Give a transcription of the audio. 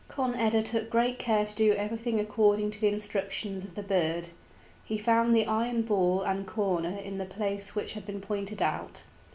Conn eda took great care to do everything according to the instructions of the bird. He found the iron ball and corna in the place which had been pointed out.